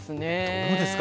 どうですか？